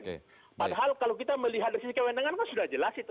padahal kalau kita melihat dari sisi kewenangan kan sudah jelas itu